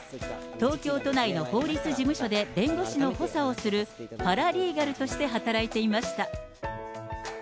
東京都内の法律事務所で弁護士の補佐をするパラリーガルとして働いていました。